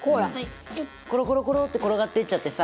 コロコロコロって転がっていっちゃってさ。